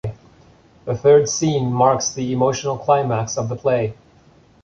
The third scene marks the emotional climax of the play.